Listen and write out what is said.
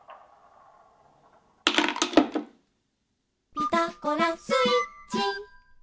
「ピタゴラスイッチ」